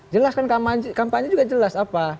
jelas kan kampanye juga jelas apa